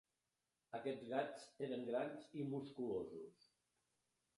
Aquests gats eren grans i musculosos.